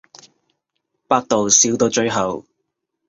百度笑到最後